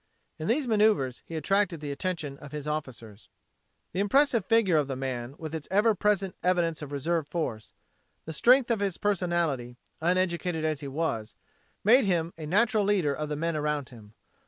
In these maneuvers he attracted the attention of his officers. The impressive figure of the man with its ever present evidence of reserve force, the strength of his personality, uneducated as he was, made him a natural leader of the men around him.